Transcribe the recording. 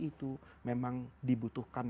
itu memang dibutuhkan